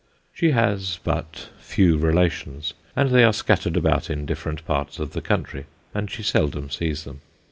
She has but few relations, and they are scattered about in different parts of the country, and she seldom sees them.